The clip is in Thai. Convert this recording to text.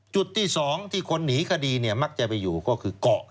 จุดที่๒ที่คนหนีคดีมักจะไปอยู่ก็คือเกาะ